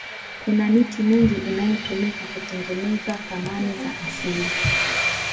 kuna miti mingi inayotumika kutengeneza thamani za asili